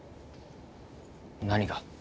何が？